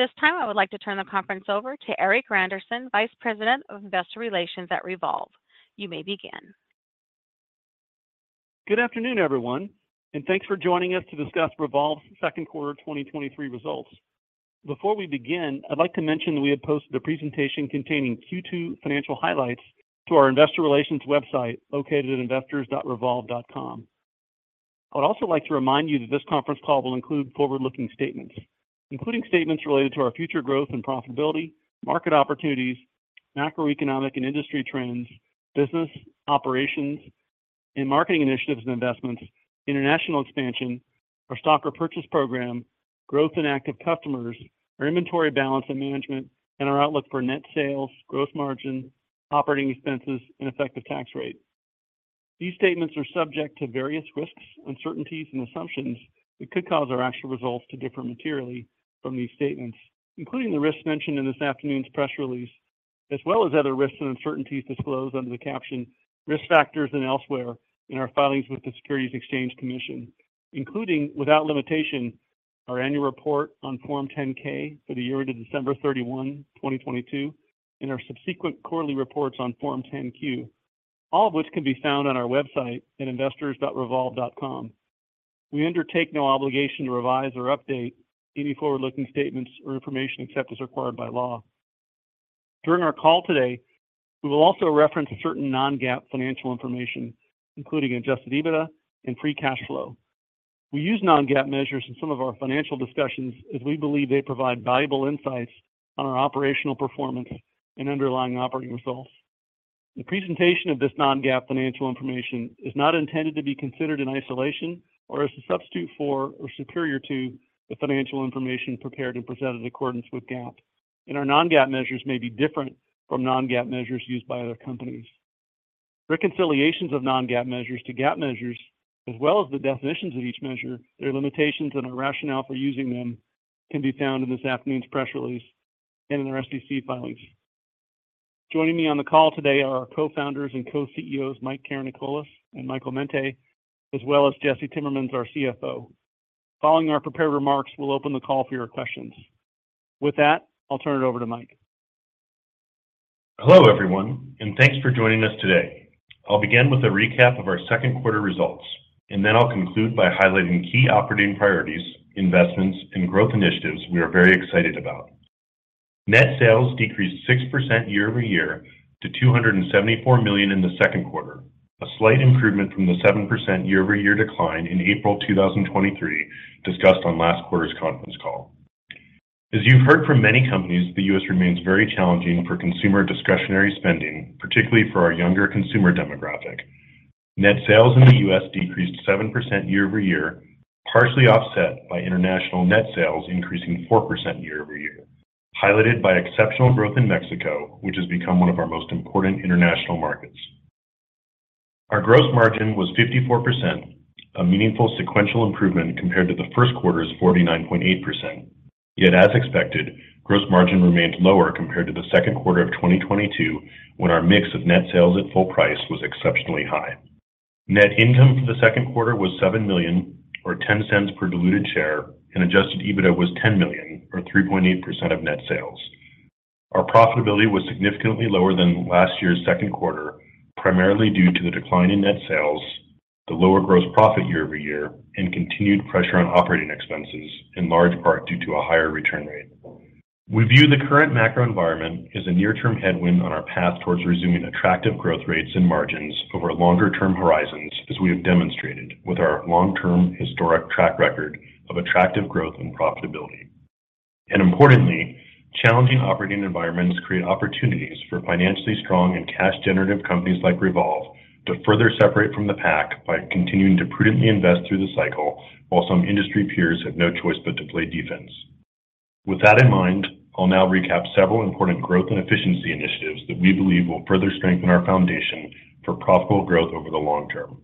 At this time, I would like to turn the conference over to Erik Randerson, Vice President of Investor Relations at Revolve. You may begin. Good afternoon, everyone, thanks for joining us to discuss Revolve's second quarter 2023 results. Before we begin, I'd like to mention that we have posted a presentation containing Q2 financial highlights to our Investor Relations website, located at investors.revolve.com. I would also like to remind you that this conference call will include forward-looking statements, including statements related to our Future Growth and Profitability, Market Opportunities, Macroeconomic and Industry Trends, Business, Operations, and Marketing Initiatives and Investments, international expansion, our stock or purchase program, growth in active customers, our inventory balance and management, and our outlook for net sales, gross margin, operating expenses, and effective tax rate. These statements are subject to various risks, uncertainties, and assumptions that could cause our actual results to differ materially from these statements, including the risks mentioned in this afternoon's press release, as well as other risks and uncertainties disclosed under the caption Risk Factors and elsewhere in our filings with the Securities and Exchange Commission, including, without limitation, our annual report on Form 10-K for the year ended December 31, 2022, and our subsequent quarterly reports on Form 10-Q, all of which can be found on our website at investors.revolve.com. We undertake no obligation to revise or update any forward-looking statements or information, except as required by law. During our call today, we will also reference certain Non-GAAP financial information, including Adjusted EBITDA and free cash flow. We use Non-GAAP measures in some of our financial discussions as we believe they provide valuable insights on our operational performance and underlying operating results. The presentation of this Non-GAAP financial information is not intended to be considered in isolation or as a substitute for or superior to the financial information prepared and presented in accordance with GAAP, and our Non-GAAP measures may be different from Non-GAAP measures used by other companies. Reconciliations of Non-GAAP measures to GAAP measures, as well as the definitions of each measure, their limitations and our rationale for using them, can be found in this afternoon's press release and in our SEC filings. Joining me on the call today are our Co-founders and Co-CEOs, Mike Karanikolas and Michael Mente, as well as Jesse Timmermans, our CFO. Following our prepared remarks, we'll open the call for your questions. With that, I'll turn it over to Mike. Hello, everyone, and thanks for joining us today. I'll begin with a recap of our second quarter results, and then I'll conclude by highlighting key operating priorities, investments, and growth initiatives we are very excited about. Net sales decreased 6% year-over-year to $274 million in the second quarter, a slight improvement from the 7% year-over-year decline in April 2023, discussed on last quarter's conference call. As you've heard from many companies, the U.S. remains very challenging for consumer discretionary spending, particularly for our younger consumer demographic. Net sales in the U.S. decreased 7% year-over-year, partially offset by international net sales increasing 4% year-over-year, highlighted by exceptional growth in Mexico, which has become one of our most important international markets. Our gross margin was 54%, a meaningful sequential improvement compared to the first quarter's 49.8%. Yet, as expected, gross margin remained lower compared to the second quarter of 2022, when our mix of net sales at full price was exceptionally high. Net income for the second quarter was $7 million, or $0.10 per diluted share, and Adjusted EBITDA was $10 million, or 3.8% of net sales. Our profitability was significantly lower than last year's second quarter, primarily due to the decline in net sales, the lower gross profit year-over-year, and continued pressure on operating expenses, in large part due to a higher return rate. We view the current macro environment as a near-term headwind on our path towards resuming attractive growth rates and margins over longer term horizons, as we have demonstrated with our long-term historic track record of attractive growth and profitability. Importantly, challenging operating environments create opportunities for financially strong and cash-generative companies like Revolve to further separate from the pack by continuing to prudently invest through the cycle, while some industry peers have no choice but to play defense. With that in mind, I'll now recap several important growth and efficiency initiatives that we believe will further strengthen our foundation for profitable growth over the long term.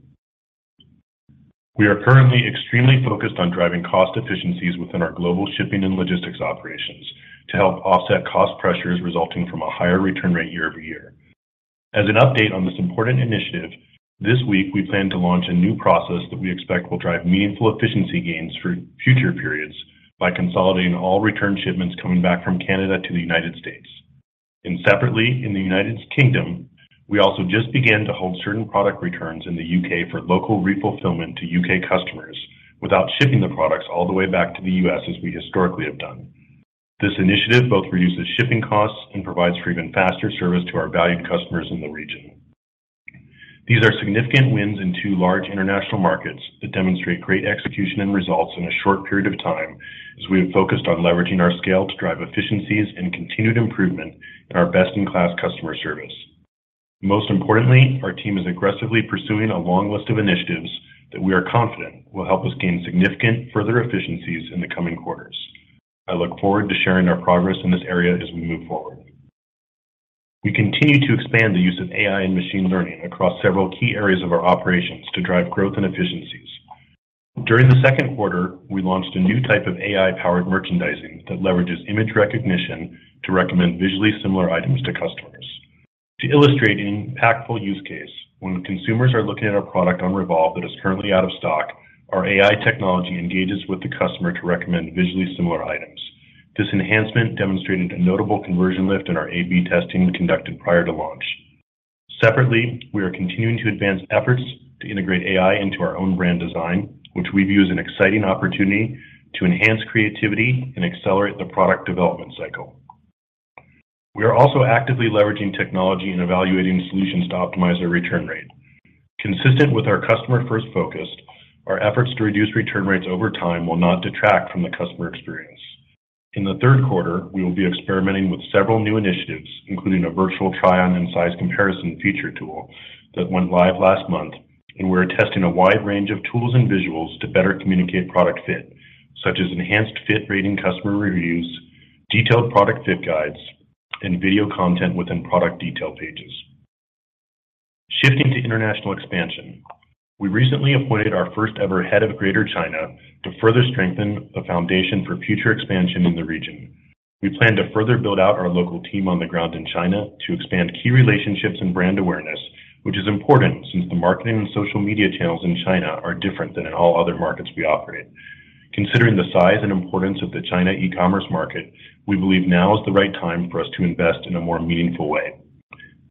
We are currently extremely focused on driving cost efficiencies within our global shipping and logistics operations to help offset cost pressures resulting from a higher return rate year-over-year. As an update on this important initiative, this week we plan to launch a new process that we expect will drive meaningful efficiency gains for future periods by consolidating all return shipments coming back from Canada to the United States. Separately, in the United Kingdom, we also just began to hold certain product returns in the U.K. for local re-fulfillment to U.K. customers without shipping the products all the way back to the U.S., as we historically have done. This initiative both reduces shipping costs and provides for even faster service to our valued customers in the region. These are significant wins in two large international markets that demonstrate great execution and results in a short period of time, as we have focused on leveraging our scale to drive efficiencies and continued improvement in our best-in-class customer service. Most importantly, our team is aggressively pursuing a long list of initiatives that we are confident will help us gain significant further efficiencies in the coming quarters. I look forward to sharing our progress in this area as we move forward. We continue to expand the use of AI and machine learning across several key areas of our operations to drive growth and efficiencies. During the second quarter, we launched a new type of AI-powered merchandising that leverages image recognition to recommend visually similar items to customers. To illustrate an impactful use case, when consumers are looking at our product on Revolve that is currently out of stock, our AI technology engages with the customer to recommend visually similar items. This enhancement demonstrated a notable conversion lift in our A/B testing conducted prior to launch. Separately, we are continuing to advance efforts to integrate AI into our own brand design, which we view as an exciting opportunity to enhance creativity and accelerate the product development cycle. We are also actively leveraging technology and evaluating solutions to optimize our return rate. Consistent with our customer-first focus, our efforts to reduce return rates over time will not detract from the customer experience. In the third quarter, we will be experimenting with several new initiatives, including a virtual try-on and size comparison feature tool that went live last month, and we're testing a wide range of tools and visuals to better communicate product fit, such as enhanced fit rating customer reviews, detailed product fit guides, and video content within product detail pages. Shifting to international expansion, we recently appointed our first ever head of Greater China to further strengthen the foundation for future expansion in the region. We plan to further build out our local team on the ground in China to expand key relationships and brand awareness, which is important since the marketing and social media channels in China are different than in all other markets we operate. Considering the size and importance of the China e-commerce market, we believe now is the right time for us to invest in a more meaningful way.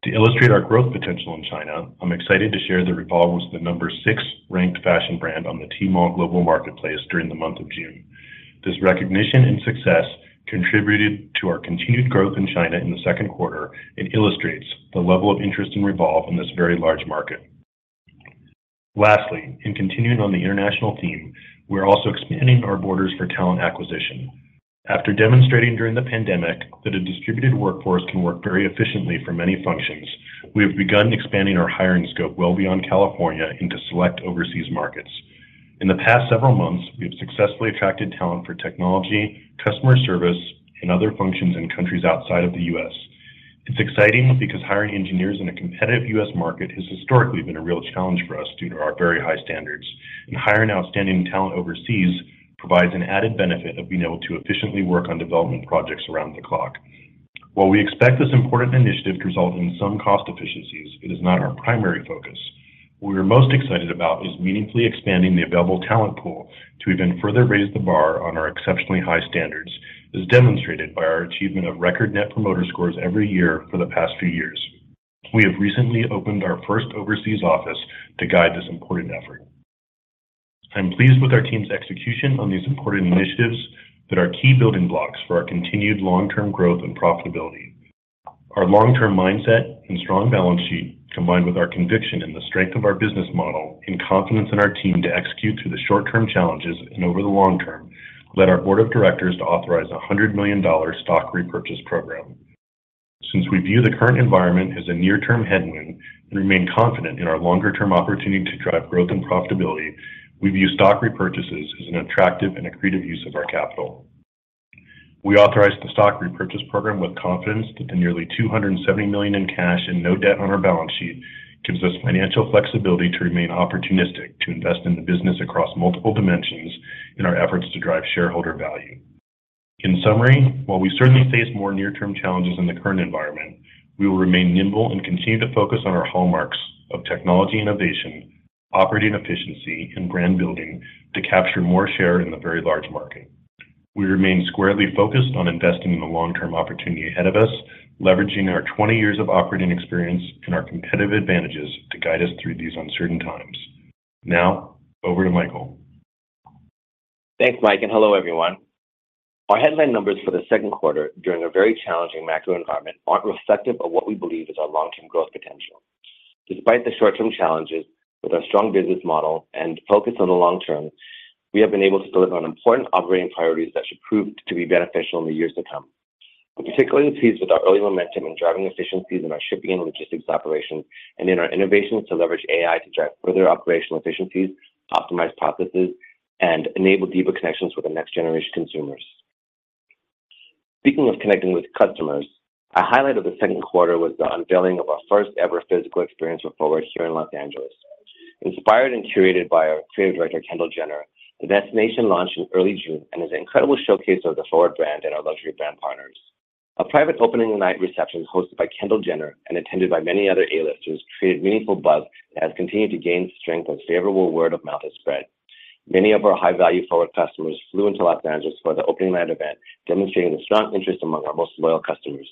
To illustrate our growth potential in China, I'm excited to share that Revolve was the number six ranked fashion brand on the Tmall global marketplace during the month of June. This recognition and success contributed to our continued growth in China in the second quarter and illustrates the level of interest in Revolve in this very large market. In continuing on the international theme, we are also expanding our borders for talent acquisition. After demonstrating during the pandemic that a distributed workforce can work very efficiently for many functions, we have begun expanding our hiring scope well beyond California into select overseas markets. In the past several months, we have successfully attracted talent for technology, customer service, and other functions in countries outside of the U.S. It's exciting because hiring engineers in a competitive U.S. market has historically been a real challenge for us due to our very high standards, and hiring outstanding talent overseas provides an added benefit of being able to efficiently work on development projects around the clock. While we expect this important initiative to result in some cost efficiencies, it is not our primary focus. What we are most excited about is meaningfully expanding the available talent pool to even further raise the bar on our exceptionally high standards, as demonstrated by our achievement of record Net Promoter Scores every year for the past few years. We have recently opened our first overseas office to guide this important effort. I'm pleased with our team's execution on these important initiatives that are key building blocks for our continued long-term growth and profitability. Our long-term mindset and strong balance sheet, combined with our conviction in the strength of our business model and confidence in our team to execute through the short-term challenges and over the long term, led our board of directors to authorize a $100 million stock repurchase program. Since we view the current environment as a near-term headwind and remain confident in our longer-term opportunity to drive growth and profitability, we view stock repurchases as an attractive and accretive use of our capital. We authorized the stock repurchase program with confidence that the nearly $270 million in cash and no debt on our balance sheet gives us financial flexibility to remain opportunistic, to invest in the business across multiple dimensions in our efforts to drive shareholder value. In summary, while we certainly face more near-term challenges in the current environment, we will remain nimble and continue to focus on our hallmarks of technology innovation, operating efficiency, and brand building to capture more share in the very large market. We remain squarely focused on investing in the long-term opportunity ahead of us, leveraging our 20 years of operating experience and our competitive advantages to guide us through these uncertain times. Now, over to Michael. Thanks, Mike, and hello, everyone. Our headline numbers for the second quarter, during a very challenging macro environment, aren't reflective of what we believe is our long-term growth potential. Despite the short-term challenges, with our strong business model and focus on the long term, we have been able to deliver on important operating priorities that should prove to be beneficial in the years to come. We're particularly pleased with our early momentum in driving efficiencies in our shipping and logistics operations, and in our innovations to leverage A.I. to drive further operational efficiencies, optimize processes, and enable deeper connections with the next generation consumers. Speaking of connecting with customers, a highlight of the second quarter was the unveiling of our first ever physical experience with Forward here in Los Angeles. Inspired and curated by our creative director, Kendall Jenner, the destination launched in early June and is an incredible showcase of the FORWARD brand and our luxury brand partners. A private opening night reception hosted by Kendall Jenner and attended by many other A-listers, created meaningful buzz and has continued to gain strength as favorable word of mouth has spread. Many of our high-value FORWARD customers flew into Los Angeles for the opening night event, demonstrating the strong interest among our most loyal customers.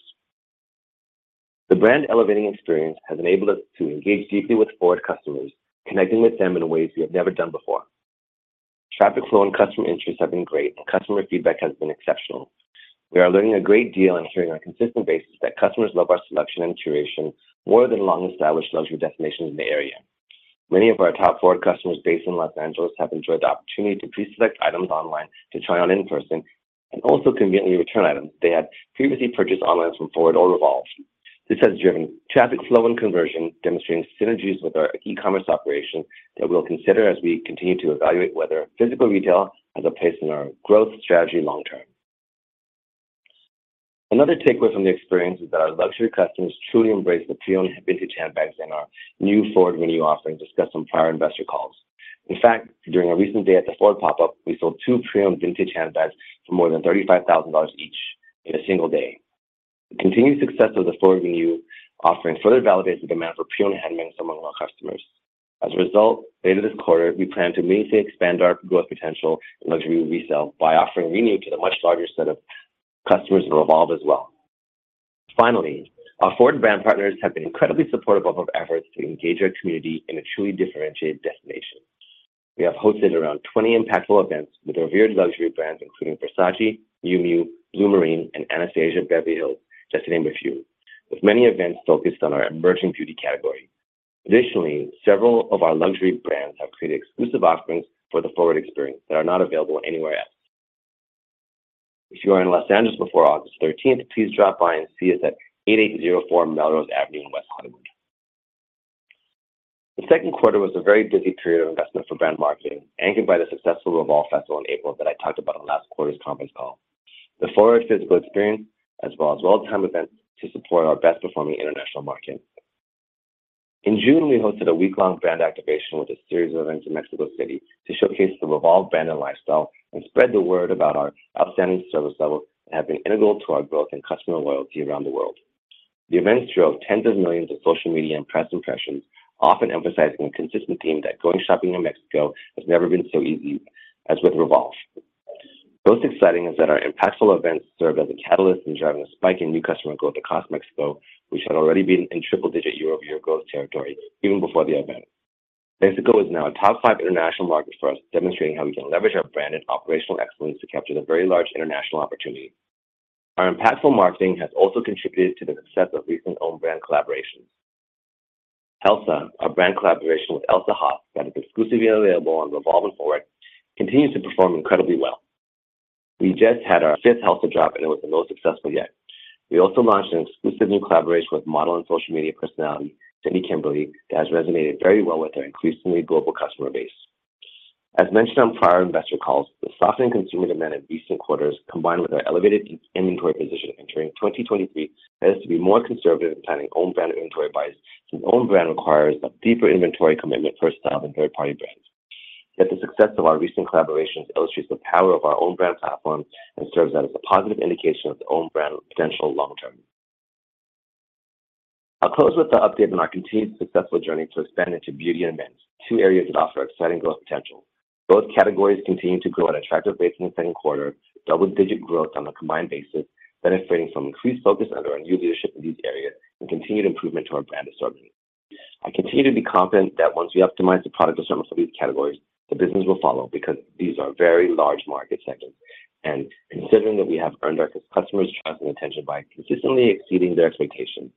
The brand elevating experience has enabled us to engage deeply with FORWARD customers, connecting with them in ways we have never done before. Traffic flow and customer interest have been great, and customer feedback has been exceptional. We are learning a great deal and hearing on a consistent basis that customers love our selection and curation more than long-established luxury destinations in the area. Many of our top FWRD customers based in Los Angeles have enjoyed the opportunity to pre-select items online, to try on in person, and also conveniently return items they had previously purchased online from FWRD or REVOLVE. This has driven traffic flow and conversion, demonstrating synergies with our e-commerce operation that we'll consider as we continue to evaluate whether physical retail has a place in our growth strategy long term. Another takeaway from the experience is that our luxury customers truly embrace the appeal and vintage handbags in our new FWRD Renew offerings discussed on prior investor calls. In fact, during a recent day at the FWRD pop-up, we sold two pre-owned vintage handbags for more than $35,000 each in a single day. The continued success of the FWRD Renew offering further validates the demand for pre-owned handbags among our customers. Later this quarter, we plan to meaningfully expand our growth potential in luxury resale by offering FWRD Renew to the much larger set of customers in REVOLVE as well. Our FWRD brand partners have been incredibly supportive of our efforts to engage our community in a truly differentiated destination. We have hosted around 20 impactful events with our revered luxury brands, including Versace, Miu Miu, Blumarine, and Anastasia Beverly Hills, just to name a few, with many events focused on our emerging beauty category. Several of our luxury brands have created exclusive offerings for the FWRD experience that are not available anywhere else. If you are in Los Angeles before August 13th, please drop by and see us at 8804 Melrose Avenue in West Hollywood. The second quarter was a very busy period of investment for brand marketing, anchored by the successful REVOLVE Festival in April that I talked about on last quarter's conference call. The FWRD physical experience, as well as real-time events, to support our best-performing international market. In June, we hosted a week-long brand activation with a series of events in Mexico City to showcase the REVOLVE brand and lifestyle, and spread the word about our outstanding service level that have been integral to our growth and customer loyalty around the world. The events drove tens of millions of social media and press impressions, often emphasizing a consistent theme that going shopping in Mexico has never been so easy as with REVOLVE. Most exciting is that our impactful events served as a catalyst in driving a spike in new customer growth across Mexico, which had already been in triple-digit year-over-year growth territory even before the event. Mexico is now a top five international market for us, demonstrating how we can leverage our brand and operational excellence to capture the very large international opportunity. Our impactful marketing has also contributed to the success of recent own brand collaborations. Helsa, our brand collaboration with Elsa Hosk, that is exclusively available on REVOLVE and FORWARD, continues to perform incredibly well. We just had our fifth Helsa drop, and it was the most successful yet. We also launched an exclusive new collaboration with model and social media personality, Cindy Kimberly, that has resonated very well with our increasingly global customer base. As mentioned on prior investor calls, the softening consumer demand in recent quarters, combined with our elevated inventory position, entering 2023 has to be more conservative in planning own brand inventory buys, since own brand requires a deeper inventory commitment for style than third-party brands. Yet the success of our recent collaborations illustrates the power of our own brand platform and serves as a positive indication of the own brand potential long term. I'll close with the update on our continued successful journey to expand into beauty and men's, two areas that offer exciting growth potential. Both categories continued to grow at attractive rates in the second quarter, double-digit growth on a combined basis, benefiting from increased focus under our new leadership in these areas and continued improvement to our brand assortment. I continue to be confident that once we optimize the product assortment for these categories, the business will follow, because these are very large market segments, and considering that we have earned our customers' trust and attention by consistently exceeding their expectations.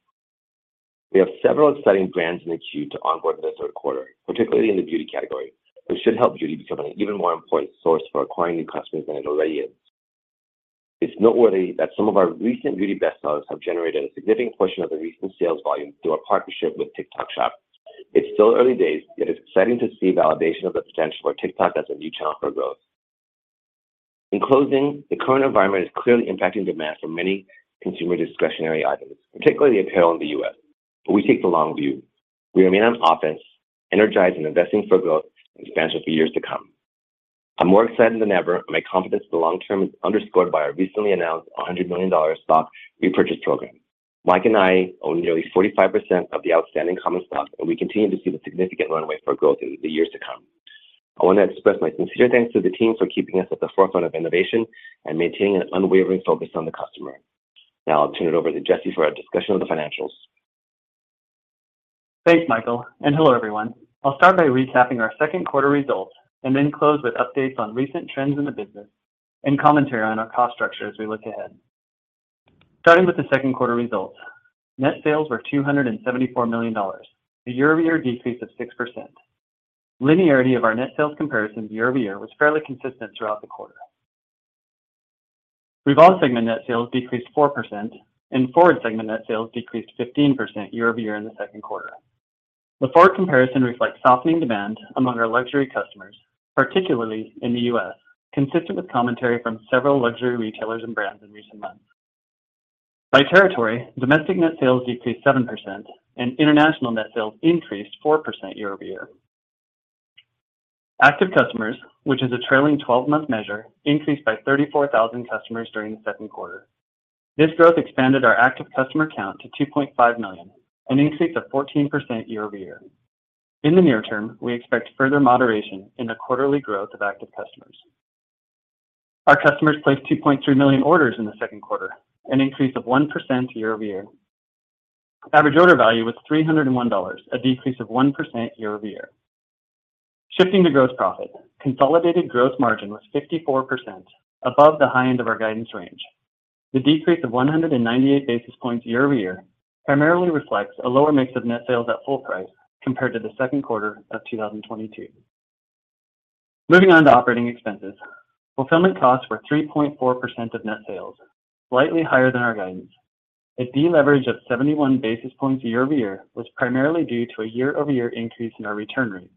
We have several exciting brands in the queue to onboard this third quarter, particularly in the beauty category, which should help beauty become an even more important source for acquiring new customers than it already is. It's noteworthy that some of our recent beauty best sellers have generated a significant portion of the recent sales volume through our partnership with TikTok Shop. It's still early days, yet it's exciting to see validation of the potential for TikTok as a new channel for growth. In closing, the current environment is clearly impacting demand for many consumer discretionary items, particularly apparel in the U.S., but we take the long view. We remain on offense, energizing, investing for growth and expansion for years to come. I'm more excited than ever, and my confidence in the long term is underscored by our recently announced $100 million stock repurchase program. Mike and I own nearly 45% of the outstanding common stock, and we continue to see the significant runway for growth in the years to come. I want to express my sincere thanks to the team for keeping us at the forefront of innovation and maintaining an unwavering focus on the customer. Now, I'll turn it over to Jesse for a discussion of the financials. Thanks, Michael. Hello, everyone. I'll start by recapping our second quarter results and then close with updates on recent trends in the business and commentary on our cost structure as we look ahead. Starting with the second quarter results, net sales were $274 million, a year-over-year decrease of 6%. Linearity of our net sales comparison to year-over-year was fairly consistent throughout the quarter. Revolve segment net sales decreased 4%, and FWRD segment net sales decreased 15% year-over-year in the second quarter. The FWRD comparison reflects softening demand among our luxury customers, particularly in the U.S., consistent with commentary from several luxury retailers and brands in recent months. By territory, domestic net sales decreased 7%, and international net sales increased 4% year-over-year. Active customers, which is a trailing 12-month measure, increased by 34,000 customers during the second quarter. This growth expanded our active customer count to 2.5 million, an increase of 14% year-over-year. In the near term, we expect further moderation in the quarterly growth of active customers. Our customers placed 2.3 million orders in the second quarter, an increase of 1% year-over-year. Average order value was $301, a decrease of 1% year-over-year. Shifting to gross profit, consolidated gross margin was 54%, above the high end of our guidance range. The decrease of 198 basis points year-over-year primarily reflects a lower mix of net sales at full price compared to the second quarter of 2022. Moving on to operating expenses. Fulfillment costs were 3.4% of net sales, slightly higher than our guidance. A deleverage of 71 basis points year-over-year was primarily due to a year-over-year increase in our return rate,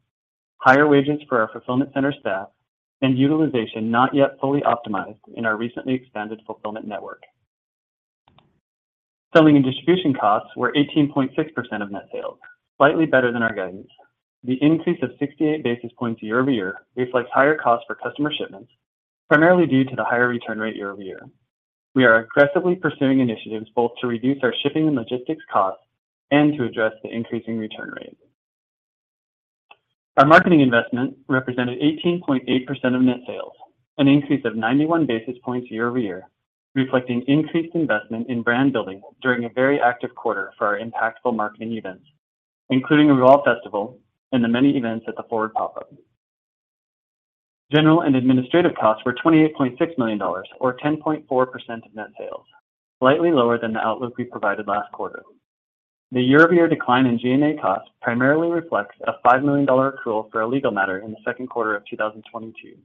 higher wages for our fulfillment center staff, and utilization not yet fully optimized in our recently expanded fulfillment network. Selling and distribution costs were 18.6% of net sales, slightly better than our guidance. The increase of 68 basis points year-over-year reflects higher costs for customer shipments, primarily due to the higher return rate year-over-year. We are aggressively pursuing initiatives both to reduce our shipping and logistics costs and to address the increasing return rate. Our marketing investment represented 18.8% of net sales, an increase of 91 basis points year-over-year, reflecting increased investment in brand building during a very active quarter for our impactful marketing events, including a REVOLVE Festival and the many events at the FWRD pop-up. General and administrative costs were $28.6 million, or 10.4% of net sales, slightly lower than the outlook we provided last quarter. The year-over-year decline in G&A costs primarily reflects a $5 million accrual for a legal matter in the second quarter of 2022.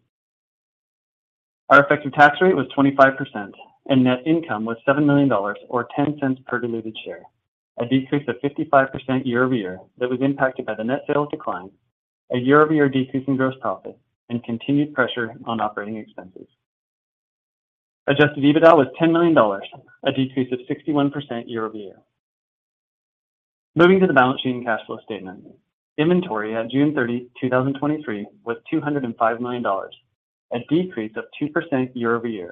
Net income was 25%, and net income was $7 million or $0.10 per diluted share, a decrease of 55% year-over-year that was impacted by the net sales decline, a year-over-year decrease in gross profit, and continued pressure on operating expenses. Adjusted EBITDA was $10 million, a decrease of 61% year-over-year. Moving to the balance sheet and cash flow statement. Inventory at June 30, 2023, was $205 million, a decrease of 2% year-over-year,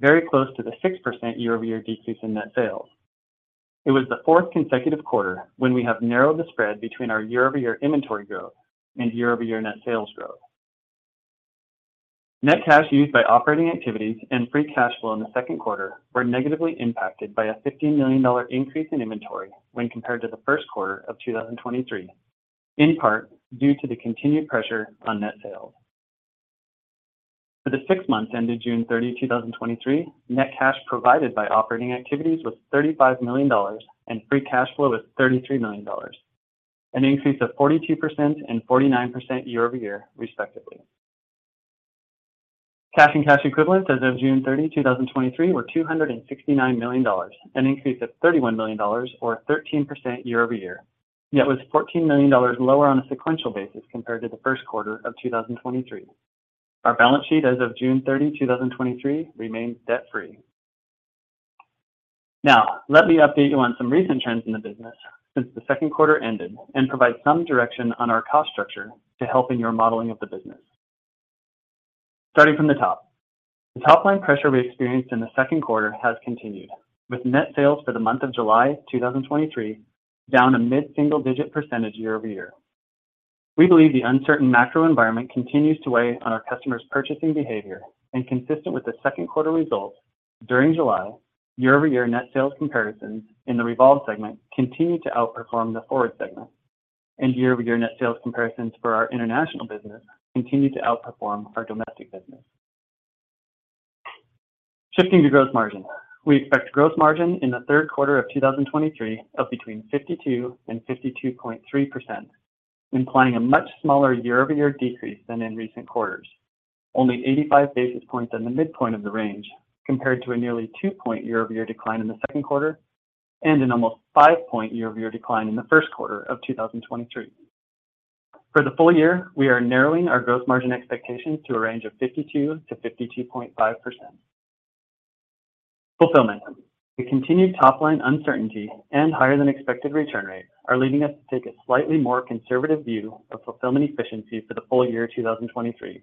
very close to the 6% year-over-year decrease in net sales. It was the fourth consecutive quarter when we have narrowed the spread between our year-over-year inventory growth and year-over-year net sales growth. Net cash used by operating activities and free cash flow in the second quarter were negatively impacted by a $15 million increase in inventory when compared to the first quarter of 2023, in part due to the continued pressure on net sales. For the 6 months ended June 30, 2023, net cash provided by operating activities was $35 million, and free cash flow was $33 million, an increase of 42% and 49% year-over-year, respectively. Cash and cash equivalents as of June 30, 2023, were $269 million, an increase of $31 million or 13% year-over-year. Was $14 million lower on a sequential basis compared to the first quarter of 2023. Our balance sheet as of June 30, 2023, remains debt-free. Let me update you on some recent trends in the business since the second quarter ended and provide some direction on our cost structure to help in your modeling of the business. Starting from the top. The top line pressure we experienced in the second quarter has continued, with net sales for the month of July 2023, down a mid-single-digit % year-over-year. We believe the uncertain macro environment continues to weigh on our customers' purchasing behavior and consistent with the second quarter results during July, year-over-year net sales comparisons in the Revolve segment continued to outperform the FWRD segment. Year-over-year net sales comparisons for our international business continued to outperform our domestic business. Shifting to gross margin. We expect gross margin in the third quarter of 2023 of between 52% and 52.3%, implying a much smaller year-over-year decrease than in recent quarters. Only 85 basis points in the midpoint of the range, compared to a nearly two-point year-over-year decline in the second quarter, and an almost five-point year-over-year decline in the first quarter of 2023. For the full year, we are narrowing our gross margin expectations to a range of 52%-52.5%. Fulfillment. The continued top line uncertainty and higher than expected return rate are leading us to take a slightly more conservative view of fulfillment efficiency for the full year 2023.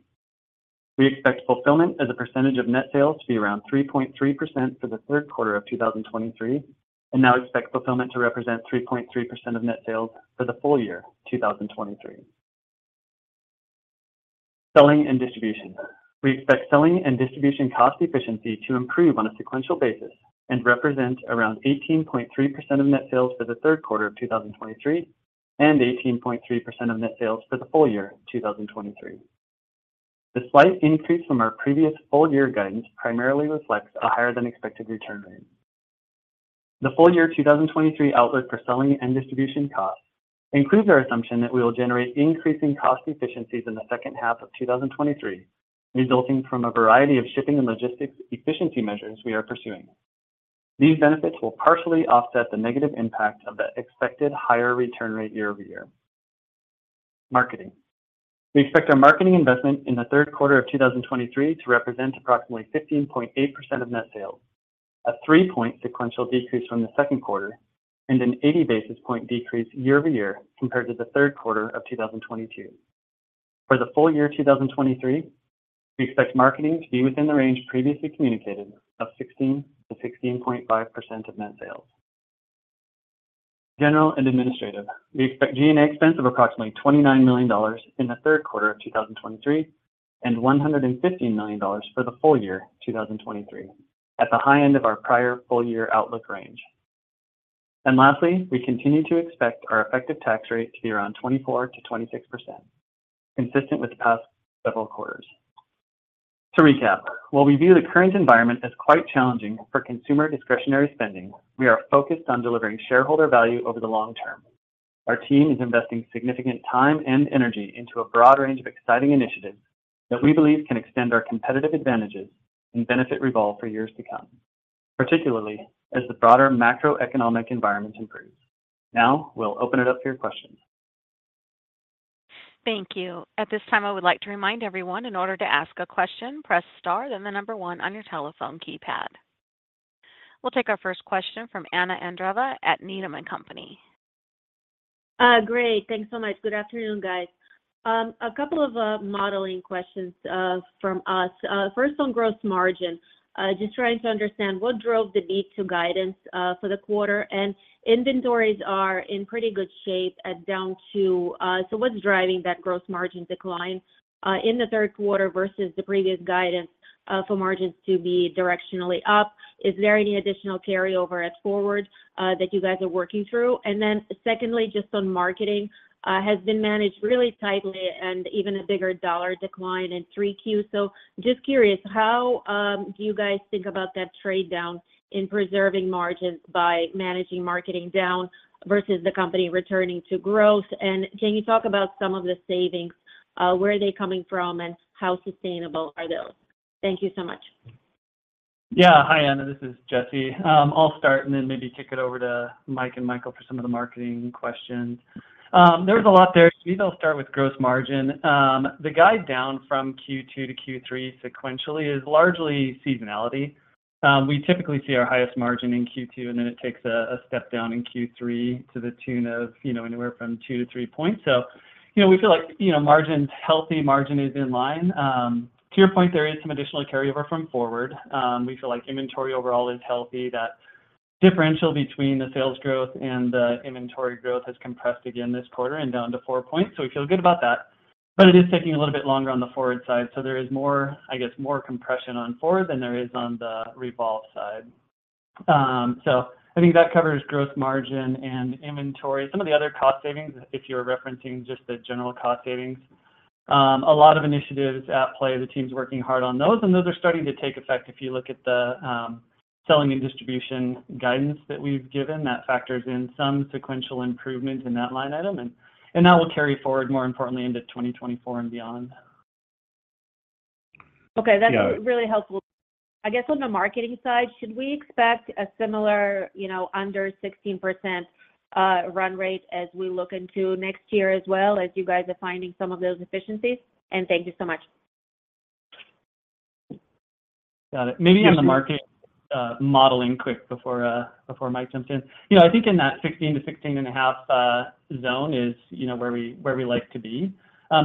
We expect fulfillment as a percentage of net sales to be around 3.3% for the third quarter of 2023, and now expect fulfillment to represent 3.3% of net sales for the full year 2023. Selling and distribution. We expect selling and distribution cost efficiency to improve on a sequential basis and represent around 18.3% of net sales for the third quarter of 2023, and 18.3% of net sales for the full year 2023. The slight increase from our previous full year guidance primarily reflects a higher than expected return rate. The full year 2023 outlook for selling and distribution costs includes our assumption that we will generate increasing cost efficiencies in the second half of 2023, resulting from a variety of shipping and logistics efficiency measures we are pursuing. These benefits will partially offset the negative impact of the expected higher return rate year-over-year. Marketing. We expect our marketing investment in the third quarter of 2023 to represent approximately 15.8% of net sales, a three-point sequential decrease from the second quarter, and an 80 basis point decrease year-over-year compared to the third quarter of 2022. For the full year 2023, we expect marketing to be within the range previously communicated of 16%-16.5% of net sales. General and administrative. We expect G&A expense of approximately $29 million in the third quarter of 2023, and $150 million for the full year 2023, at the high end of our prior full year outlook range. Lastly, we continue to expect our effective tax rate to be around 24%-26%, consistent with the past several quarters. To recap, while we view the current environment as quite challenging for consumer discretionary spending, we are focused on delivering shareholder value over the long term. Our team is investing significant time and energy into a broad range of exciting initiatives that we believe can extend our competitive advantages and benefit Revolve for years to come, particularly as the broader macroeconomic environment improves. Now, we'll open it up to your questions. Thank you. At this time, I would like to remind everyone, in order to ask a question, press Star, then the number one on your telephone keypad. We'll take our first question from Anna Andreeva at Needham & Company. Great. Thanks so much. Good afternoon, guys. A couple of modeling questions from us. First, on gross margin, just trying to understand, what drove the beat to guidance for the quarter? Inventories are in pretty good shape at down to... So what's driving that gross margin decline in the third quarter versus the previous guidance for margins to be directionally up? Is there any additional carryover at FWRD that you guys are working through? Secondly, just on marketing, has been managed really tightly and even a bigger dollar decline in 3Q. Just curious, how do you guys think about that trade-down in preserving margins by managing marketing down versus the company returning to growth? Can you talk about some of the savings? Where are they coming from, and how sustainable are those? Thank you so much. Yeah. Hi, Anna Andreeva. This is Jesse Timmermans. I'll start and then maybe kick it over to Mike Karanikolas and Michael Mente for some of the marketing questions. There was a lot there. Maybe I'll start with gross margin. The guide down from Q2 to Q3 sequentially is largely seasonality. We typically see our highest margin in Q2, and then it takes a step down in Q3 to the tune of, you know, anywhere from two to three points. So, you know, we feel like, you know, margin's healthy, margin is in line. To your point, there is some additional carryover from FWRD. We feel like inventory overall is healthy. That differential between the sales growth and the inventory growth has compressed again this quarter and down to four points, so we feel good about that. It is taking a little bit longer on the FWRD side, there is more, I guess, more compression on FWRD than there is on the REVOLVE side. I think that covers gross margin and inventory. Some of the other cost savings, if you're referencing just the general cost savings, a lot of initiatives at play. The team's working hard on those, and those are starting to take effect. If you look at the selling and distribution guidance that we've given, that factors in some sequential improvement in that line item, and that will carry forward, more importantly, into 2024 and beyond. Okay. Yeah. That's really helpful. I guess on the marketing side, should we expect a similar, you know, under 16% run rate as we look into next year as well, as you guys are finding some of those efficiencies? Thank you so much. Got it. Thank you. Maybe on the market, modeling quick before, before Mike jumps in. You know, I think in that 16 to 16.5 zone is, you know, where we, where we like to be.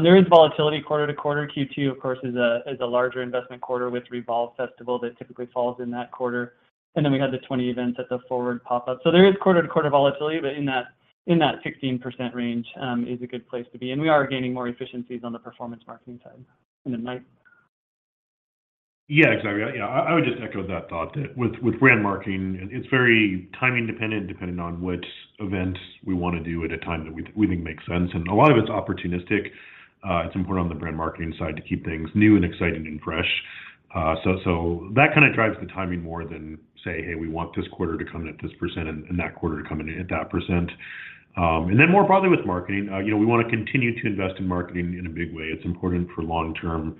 There is volatility quarter to quarter. Q2, of course, is a, is a larger investment quarter with REVOLVE Festival that typically falls in that quarter, and then we have the 20 events at the FWRD pop up. There is quarter-to-quarter volatility, but in that, in that 16% range, is a good place to be, and we are gaining more efficiencies on the performance marketing side. Mike. Yeah, exactly. Yeah, I, I would just echo that thought, that with, with brand marketing, it's very timing dependent, depending on which event we wanna do at a time that we, we think makes sense, and a lot of it's opportunistic. It's important on the brand marketing side to keep things new and exciting and fresh. So that kinda drives the timing more than say, "Hey, we want this quarter to come in at this % and, and that quarter to come in at that %." Then more broadly with marketing, you know, we wanna continue to invest in marketing in a big way. It's important for long-term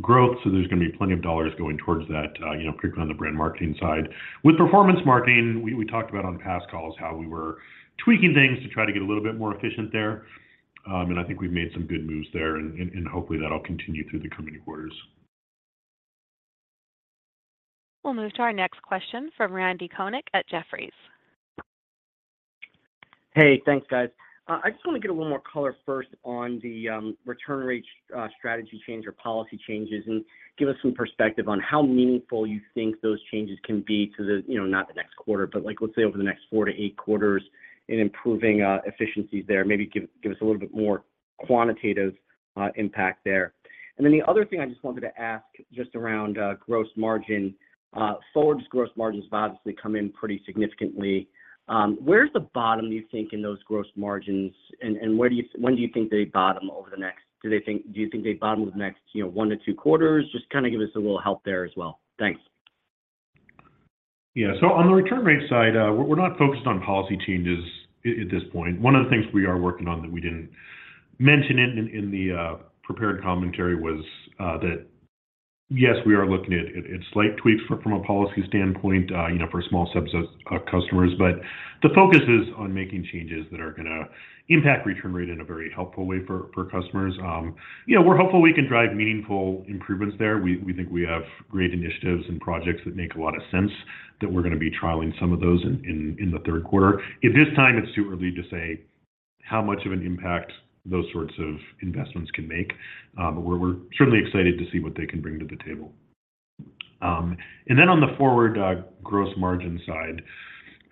growth, so there's gonna be plenty of dollars going towards that, you know, particularly on the brand marketing side. With performance marketing, we talked about on the past calls how we were tweaking things to try to get a little bit more efficient there. I think we've made some good moves there, and hopefully that'll continue through the coming quarters. We'll move to our next question from Randy Konik at Jefferies. Hey, thanks, guys. I just wanna get a little more color first on the return rate strategy change or policy changes, and give us some perspective on how meaningful you think those changes can be to the... you know, not the next quarter, but, like, let's say, over the next four to eight quarters in improving efficiencies there. Maybe give, give us a little bit more quantitative impact there. Then the other thing I just wanted to ask, just around gross margin. FWRD's gross margins have obviously come in pretty significantly. Where's the bottom, you think, in those gross margins, and, when do you think they bottom over the next... Do you think they bottom over the next, you know, one to two quarters? Just kinda give us a little help there as well. Thanks. Yeah. On the return rate side, we're not focused on policy changes at this point. One of the things we are working on that we didn't mention in the prepared commentary was that, yes, we are looking at slight tweaks from a policy standpoint, you know, for a small subset of customers. The focus is on making changes that are gonna impact return rate in a very helpful way for customers. You know, we're hopeful we can drive meaningful improvements there. We think we have great initiatives and projects that make a lot of sense, that we're gonna be trialing some of those in the third quarter. At this time, it's too early to say how much of an impact those sorts of investments can make, but we're, we're certainly excited to see what they can bring to the table. On the FWRD, gross margin side,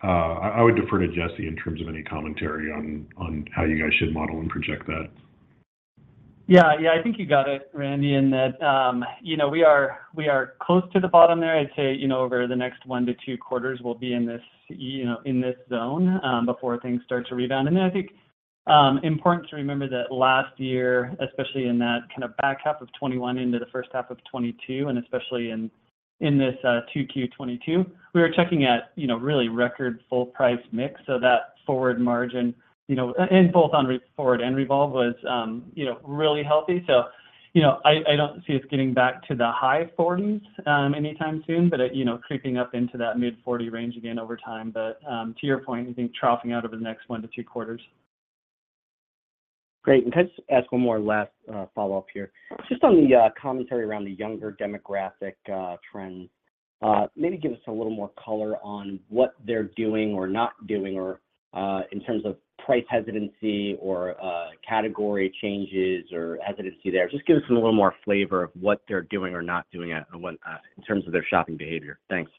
I, I would defer to Jesse in terms of any commentary on, on how you guys should model and project that. Yeah. Yeah, I think you got it, Randy, in that, you know, we are, we are close to the bottom there. I'd say, you know, over the next one to two quarters, we'll be in this, you know, in this zone, before things start to rebound. Then I think, important to remember that last year, especially in that kind of back half of 2021 into the first half of 2022, and especially in, in this, 2Q 2022, we were checking at, you know, really record full price mix. That FWRD margin, you know, and both on FWRD and REVOLVE was, you know, really healthy. I, you know, I don't see us getting back to the high 40s, anytime soon, but, you know, creeping up into that mid-40 range again over time. To your point, I think troughing out over the next one to two quarters. Great. Can I just ask one more last follow-up here? Just on the commentary around the younger demographic trend, maybe give us a little more color on what they're doing or not doing, or in terms of price hesitancy or category changes or hesitancy there. Just give us a little more flavor of what they're doing or not doing at, and what in terms of their shopping behavior. Thanks.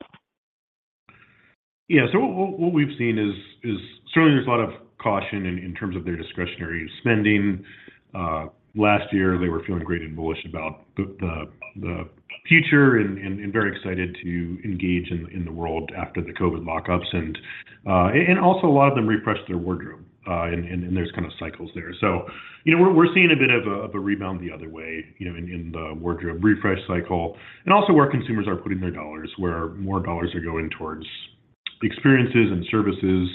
Yeah. What we've seen is certainly there's a lot of caution in terms of their discretionary spending. Last year, they were feeling great and bullish about the future and very excited to engage in the world after the COVID lockups. Also a lot of them refreshed their wardrobe and there's kind of cycles there. You know, we're seeing a bit of a rebound the other way, you know, in the wardrobe refresh cycle, and also where consumers are putting their dollars, where more dollars are going towards experiences and services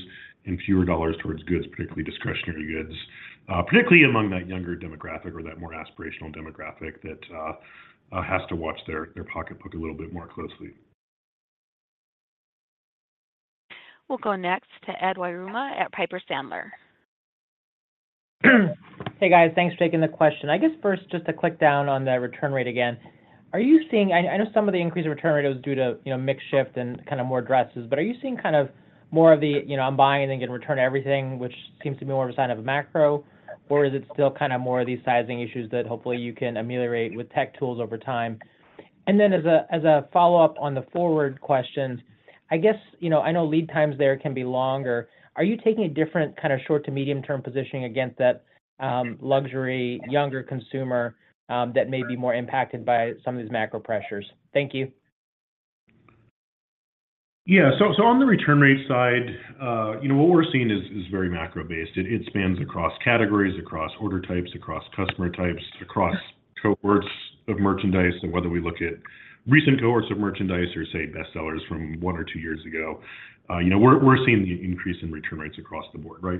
and fewer dollars towards goods, particularly discretionary goods. Particularly among that younger demographic or that more aspirational demographic that has to watch their pocketbook a little bit more closely. We'll go next to Edward Yruma at Piper Sandler. Hey, guys. Thanks for taking the question. First, just to click down on the return rate again, are you seeing, I know some of the increase in return rate was due to, you know, mix shift and kind of more dresses, but are you seeing kind of more of the, you know, "I'm buying and then gonna return everything," which seems to be more of a sign of a macro, or is it still kind of more of these sizing issues that hopefully you can ameliorate with tech tools over time? As a follow-up on the Forward questions, you know, I know lead times there can be longer. Are you taking a different kind of short to medium-term positioning against that luxury, younger consumer that may be more impacted by some of these macro pressures? Thank you. Yeah. On the return rate side, you know, what we're seeing is very macro-based. It spans across categories, across order types, across customer types, across cohorts of merchandise, and whether we look at recent cohorts of merchandise or, say, best sellers from 1 or 2 years ago. You know, we're seeing the increase in return rates across the board, right?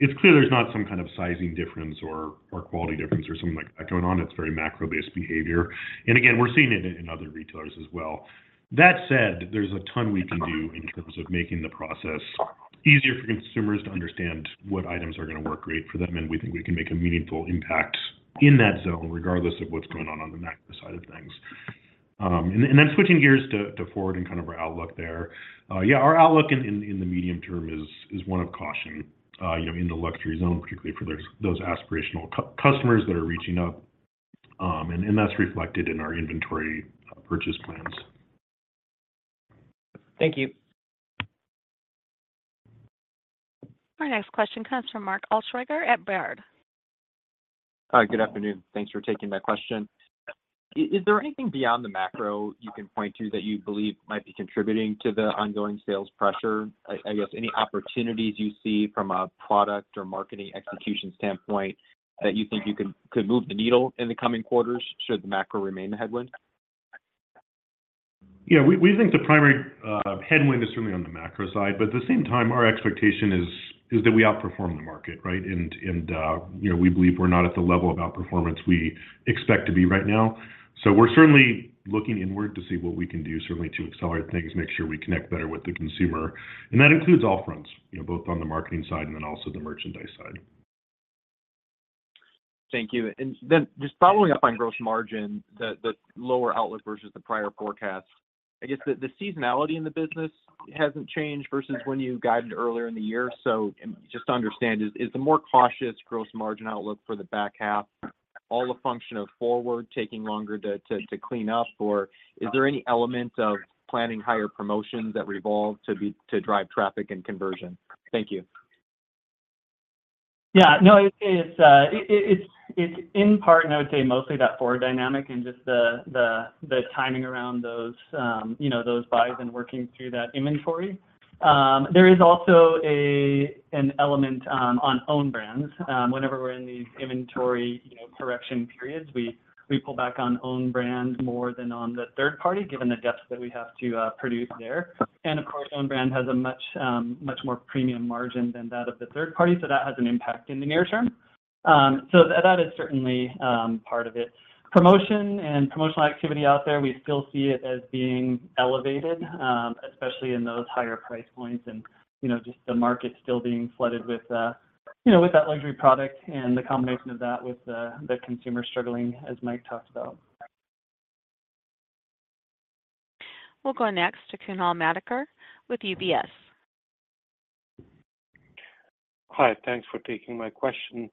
It's clear there's not some kind of sizing difference or quality difference or something like that going on. It's very macro-based behavior. Again, we're seeing it in other retailers as well. That said, there's a ton we can do in terms of making the process easier for consumers to understand what items are gonna work great for them, and we think we can make a meaningful impact in that zone, regardless of what's going on on the macro side of things. And then switching gears to FWRD and kind of our outlook there. Yeah, our outlook in, in, in the medium term is, is one of caution, you know, in the luxury zone, particularly for those, those aspirational customers that are reaching up. And that's reflected in our inventory, purchase plans. Thank you. Our next question comes from Mark Altschwager at Baird. Hi, good afternoon. Thanks for taking my question. Is there anything beyond the macro you can point to that you believe might be contributing to the ongoing sales pressure? I guess any opportunities you see from a product or marketing execution standpoint that you think could move the needle in the coming quarters, should the macro remain the headwind? Yeah, we, we think the primary headwind is certainly on the macro side. At the same time, our expectation is, is that we outperform the market, right? And, you know, we believe we're not at the level of outperformance we expect to be right now. We're certainly looking inward to see what we can do, certainly to accelerate things, make sure we connect better with the consumer, and that includes all fronts, you know, both on the marketing side and then also the merchandise side. Thank you. Then just following up on gross margin, the lower outlook versus the prior forecast, I guess the seasonality in the business hasn't changed versus when you guided earlier in the year. Just to understand, is the more cautious gross margin outlook for the back half all a function of FWRD taking longer to clean up, or is there any element of planning higher promotions that REVOLVE to drive traffic and conversion? Thank you. Yeah. No, it's, it, it, it's, it's in part, and I would say mostly that FWRD dynamic and just the, the, the timing around those, you know, those buys and working through that inventory. There is also an element on own brands. Whenever we're in these inventory, you know, correction periods, we, we pull back on own brand more than on the third party, given the depth that we have to produce there. Of course, own brand has a much more premium margin than that of the third party, so that has an impact in the near term. So that, that is certainly part of it. Promotion and promotional activity out there, we still see it as being elevated, especially in those higher price points and, you know, just the market still being flooded with, you know, with that luxury product and the combination of that with the, the consumer struggling, as Mike talked about. We'll go next to Kunal Madhukar with UBS. Hi, thanks for taking my question.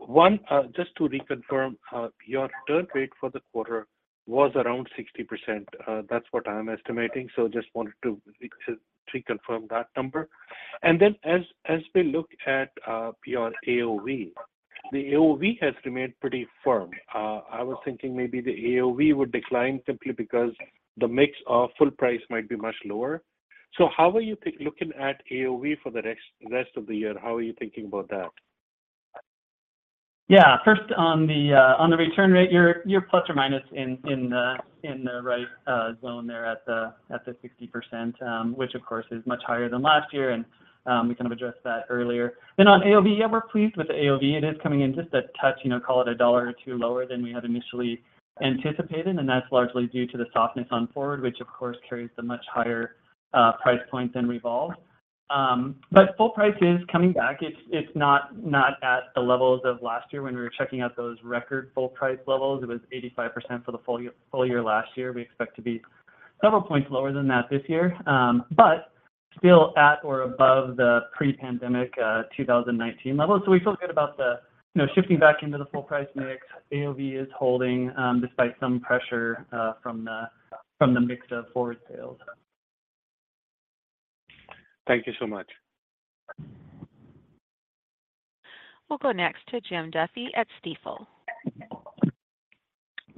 One, just to reconfirm, your return rate for the quarter was around 60%. That's what I'm estimating, so just wanted to re- reconfirm that number. As, as we look at, your AOV, the AOV has remained pretty firm. I was thinking maybe the AOV would decline simply because the mix of full price might be much lower. How are you pic- looking at AOV for the next, rest of the year? How are you thinking about that? Yeah. First, on the return rate, you're, you're ± in, in the, in the right zone there at the 60%, which of course is much higher than last year. We kind of addressed that earlier. On AOV, yeah, we're pleased with the AOV. It is coming in just a touch, you know, call it $1 or $2 lower than we had initially anticipated, and that's largely due to the softness on FWRD, which of course carries the much higher price point than REVOLVE. Full price is coming back. It's, it's not, not at the levels of last year when we were checking out those record full price levels. It was 85% for the full year, full year last year. We expect to be several points lower than that this year. still at or above the pre-pandemic 2019 level. We feel good about the, you know, shifting back into the full price mix. AOV is holding despite some pressure from the mix of FWRD sales. Thank you so much. We'll go next to Jim Duffy at Stifel.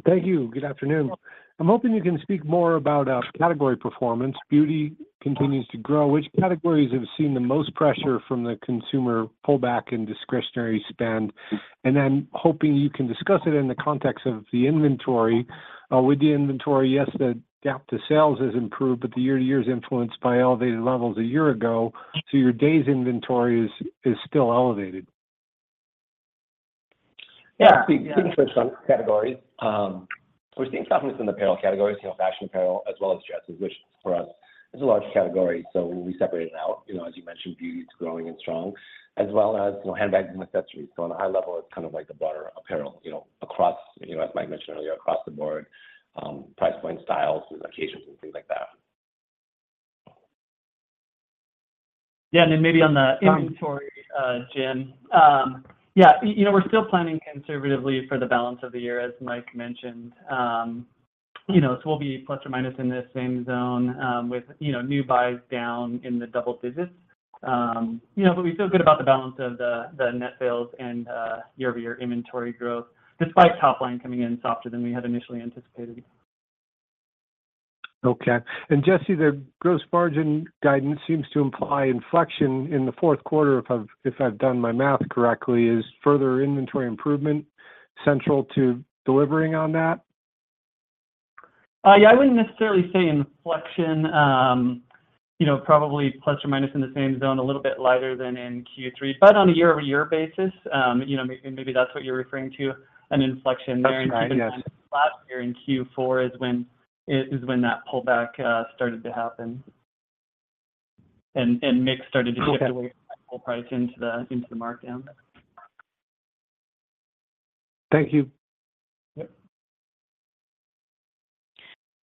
Thank you. Good afternoon. I'm hoping you can speak more about category performance. Beauty continues to grow. Which categories have seen the most pressure from the consumer pullback in discretionary spend? Then hoping you can discuss it in the context of the inventory. With the inventory, yes, the gap to sales has improved, but the year-over-year is influenced by elevated levels a year ago, so your days inventory is, is still elevated. Speaking for some categories, we're seeing softness in the apparel categories, you know, fashion apparel, as well as dresses, which for us is a large category, so we separate it out. You know, as you mentioned, beauty is growing and strong, as well as, you know, handbags and accessories. On a high level, it's kind of like the broader apparel, you know, across, you know, as Mike mentioned earlier, across the board, price point, styles, occasions, and things like that. Yeah, maybe on the inventory, Jim. Yeah, you know, we're still planning conservatively for the balance of the year, as Mike mentioned. You know, we'll be plus or minus in this same zone, with, you know, new buys down in the double digits. You know, we feel good about the balance of the net sales and year-over-year inventory growth, despite top line coming in softer than we had initially anticipated. Okay. Jesse, the gross margin guidance seems to imply inflection in the fourth quarter, if I've, if I've done my math correctly. Is further inventory improvement central to delivering on that? Yeah, I wouldn't necessarily say inflection, you know, probably plus or minus in the same zone, a little bit lighter than in Q3. On a year-over-year basis, you know, maybe that's what you're referring to, an inflection there. That's right, yes. Last year in Q4 is when, is when that pullback started to happen and, and mix. Okay shift away from full price into the, into the markdown. Thank you. Yep.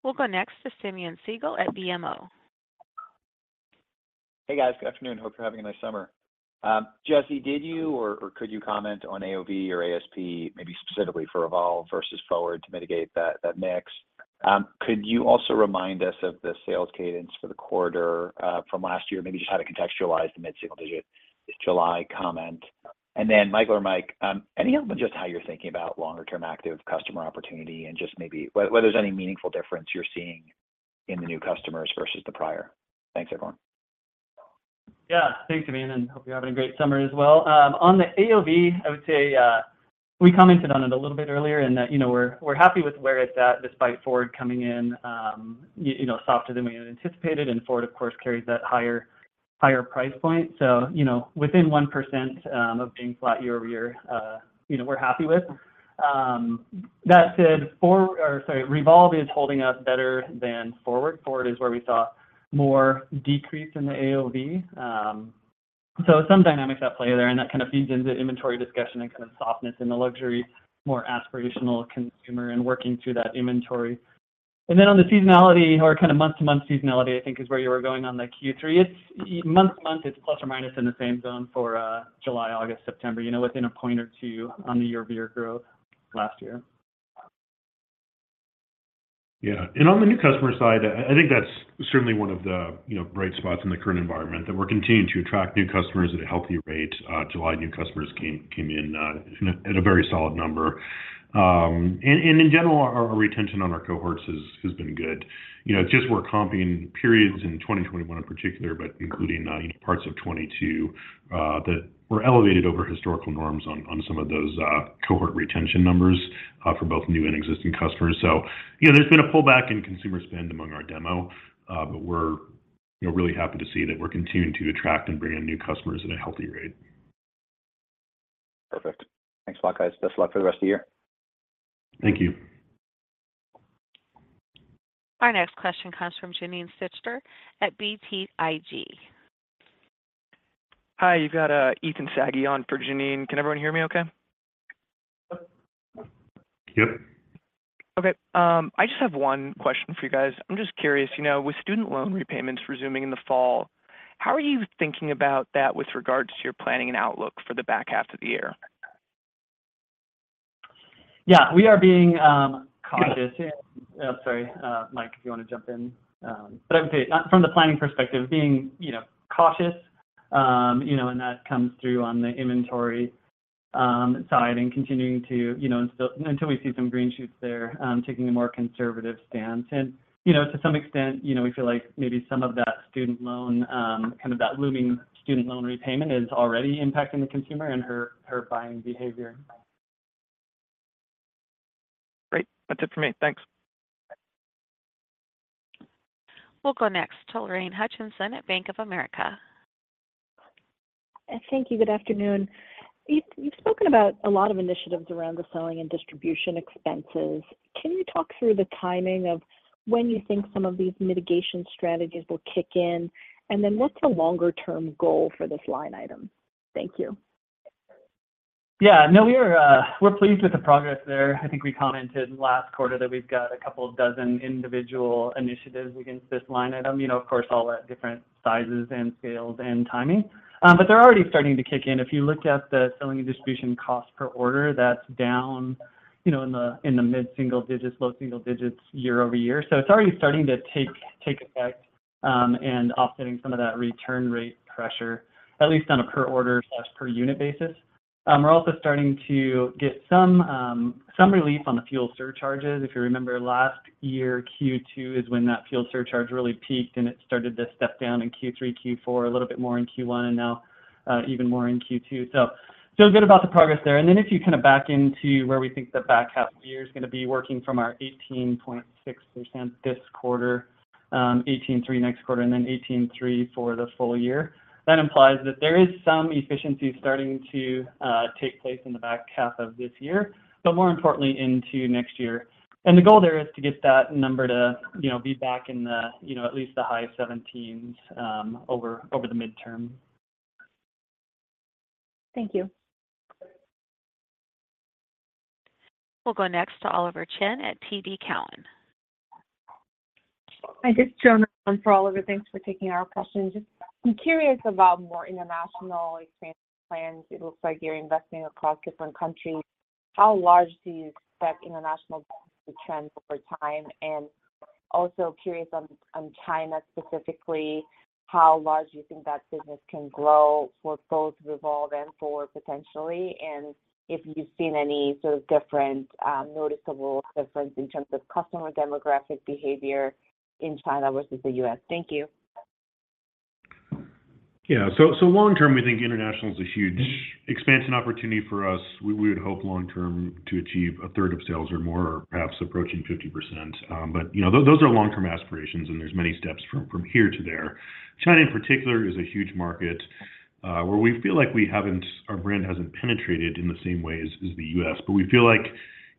We'll go next to Simeon Siegel at BMO. Hey, guys. Good afternoon. Hope you're having a nice summer. Jesse, did you or, or could you comment on AOV or ASP, maybe specifically for REVOLVE versus FWRD to mitigate that, that mix? Could you also remind us of the sales cadence for the quarter, from last year? Maybe just how to contextualize the mid-single digit July comment. Then Michael or Mike, Just how you're thinking about longer term active customer opportunity and just maybe whether, whether there's any meaningful difference you're seeing in the new customers versus the prior. Thanks, everyone. Yeah. Thanks, Simeon, and hope you're having a great summer as well. On the AOV, I would say, we commented on it a little bit earlier and that, you know, we're, we're happy with where it's at, despite FWRD coming in, you know, softer than we had anticipated. FWRD, of course, carries that higher, higher price point. You know, within 1%, of being flat year-over-year, you know, we're happy with. That said, FWRD, or sorry, Revolve is holding up better than FWRD. FWRD is where we saw more decrease in the AOV. Some dynamics at play there, and that kind of feeds into the inventory discussion and kind of softness in the luxury, more aspirational consumer and working through that inventory. Then on the seasonality or kind of month-to-month seasonality, I think is where you were going on the Q3. It's month-to-month, it's plus or minus in the same zone for July, August, September, you know, within a point or two on the year-over-year growth last year. Yeah. On the new customer side, I, I think that's certainly one of the, you know, bright spots in the current environment, that we're continuing to attract new customers at a healthy rate. July, new customers came, came in, in a, in a very solid number. In general, our, our retention on our cohorts has, has been good. You know, just we're comping periods in 2021 in particular, but including, you know, parts of 2022, that were elevated over historical norms on, on some of those, cohort retention numbers, for both new and existing customers. You know, there's been a pullback in consumer spend among our demo, but we're, you know, really happy to see that we're continuing to attract and bring in new customers at a healthy rate. Perfect. Thanks a lot, guys. Best of luck for the rest of the year. Thank you. Our next question comes from Janine Stichter at BTIG. Hi, you got Ethan Saghi on for Janine. Can everyone hear me okay? Yep. Okay, I just have one question for you guys. I'm just curious, you know, with student loan repayments resuming in the fall, how are you thinking about that with regards to your planning and outlook for the back half of the year? Yeah, we are being cautious, sorry, Mike, if you want to jump in. I would say, from the planning perspective, being, you know, cautious, you know, and that comes through on the inventory side and continuing to, you know, until, until we see some green shoots there, taking a more conservative stance. You know, to some extent, you know, we feel like maybe some of that student loan, kind of that looming student loan repayment is already impacting the consumer and her, her buying behavior. Great. That's it for me. Thanks. We'll go next to Lorraine Hutchinson at Bank of America. Thank you. Good afternoon. You've, you've spoken about a lot of initiatives around the selling and distribution expenses. Can you talk through the timing of when you think some of these mitigation strategies will kick in? What's the longer term goal for this line item? Thank you. ... Yeah, no, we are, we're pleased with the progress there. I think we commented last quarter that we've got a couple of dozen individual initiatives against this line item. You know, of course, all at different sizes and scales and timing. They're already starting to kick in. If you looked at the selling and distribution cost per order, that's down, you know, in the mid-single digits, low single digits year-over-year. It's already starting to take, take effect, and offsetting some of that return rate pressure, at least on a per order/per unit basis. We're also starting to get some relief on the fuel surcharges. If you remember, last year, Q2 is when that fuel surcharge really peaked, it started to step down in Q3, Q4, a little bit more in Q1, and now, even more in Q2. Feel good about the progress there. If you kind of back into where we think the back half of the year is gonna be working from our 18.6% this quarter, 18.3% next quarter, 18.3% for the full year, that implies that there is some efficiency starting to take place in the back half of this year, but more importantly, into next year. The goal there is to get that number to, you know, be back in the, you know, at least the high 17s over, over the midterm. Thank you. We'll go next to Oliver Chen at TD Cowen. Hi, this is Joan, for Oliver. Thanks for taking our question. Just I'm curious about more international expansion plans. It looks like you're investing across different countries. How large do you expect international to trend over time? Also curious on, on China specifically, how large do you think that business can grow for both REVOLVE and for potentially, and if you've seen any sort of different, noticeable difference in terms of customer demographic behavior in China versus the U.S.? Thank you. Yeah, so long term, we think international is a huge expansion opportunity for us. We would hope long term to achieve a third of sales or more, or perhaps approaching 50%. You know, those are long-term aspirations, and there's many steps from here to there. China, in particular, is a huge market where we feel like we haven't our brand hasn't penetrated in the same way as the U.S. We feel like